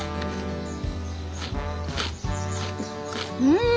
うん！